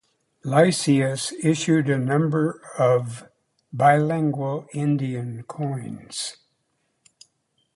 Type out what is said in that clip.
Lysias issued a number of bilingual Indian coins.